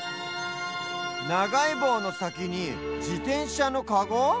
ながいぼうのさきにじてんしゃのカゴ？